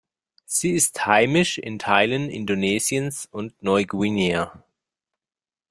Sie ist heimisch in Teilen Indonesiens und Neuguinea.